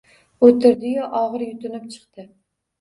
O‘tirdiyu og‘ir yutinib chiqdi.